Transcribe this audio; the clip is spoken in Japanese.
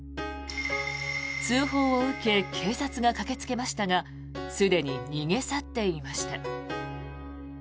通報を受け警察が駆けつけましたがすでに逃げ去っていました。